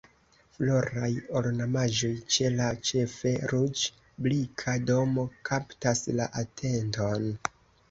Floraj ornamaĵoj ĉe la ĉefe ruĝ-brika domo kaptas la atenton.